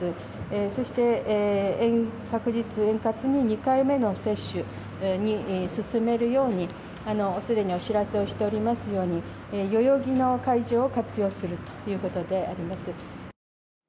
そして、確実、円滑に２回目の接種に進めるようにすでにお知らせをしておりますように代々木の会場を活用するということであります。